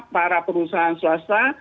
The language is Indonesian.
para perusahaan swasta